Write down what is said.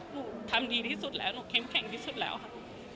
หนูทำดีที่สุดแล้วหนูเข้มแข็งที่สุดแล้วค่ะ